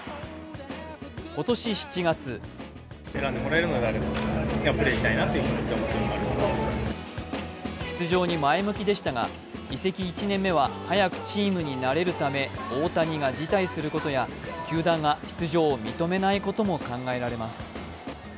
今年７月出場に前向きでしたが、移籍１年目は早くチームになれるため大谷が辞退することや球団が出場を認めないことも考えられます。